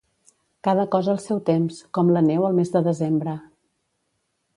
Cada cosa al seu temps, com la neu el mes de desembre.